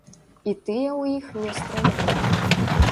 І тыя ў іх не стралялі.